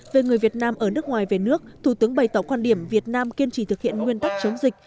về người việt nam ở nước ngoài về nước thủ tướng bày tỏ quan điểm việt nam kiên trì thực hiện nguyên tắc chống dịch